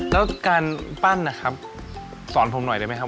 แล้วการปั้นนะครับสอนผมหน่อยได้ไหมครับ